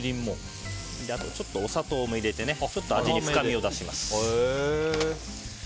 ちょっとお砂糖も入れてちょっと味に深みを出します。